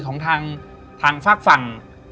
ของทางฝากฝั่ง